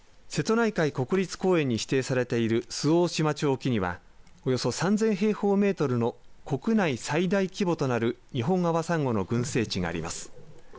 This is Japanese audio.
瀬戸内海国立公園に指定されている周防大島町沖にはおよそ３０００平方メートルの国内最大規模となるニホンアワサンゴの群生地があります。